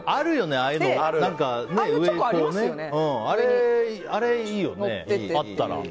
あれいいよね、あったら。